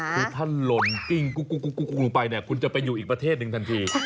คุณท่านหล่นกลุ่งไปเนี่ยคุณจะไปอยู่อีกประเทศหนึ่งทันที